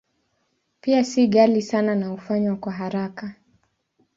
Pia si ghali sana na hufanywa kwa haraka.